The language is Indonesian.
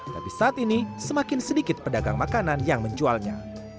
tapi saat ini semakin sedikit pedagang makanan yang menjualnya